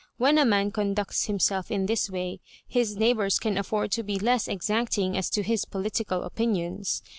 When a man conducts himself in this way, his neighbours can afford to be less ex acting as to his political opmions.